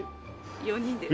４人です。